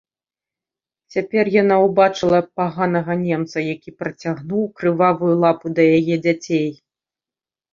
Цяпер яна ўбачыла паганага немца, які працягнуў крывавую лапу да яе дзяцей.